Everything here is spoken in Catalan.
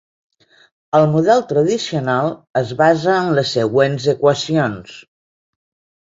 El model tradicional es basa en les següents equacions.